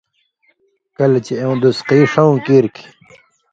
کلہۡ چے اېوں دُسقی ݜؤں کیریۡ کھیں،